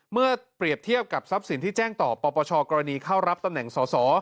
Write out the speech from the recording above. เมื่อเปรียบเทียบกับทรัพย์สินที่แจ้งต่อปปชกรณีเข้ารับตำแหน่งสอสอ